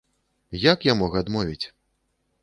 Як я мог адмовіць?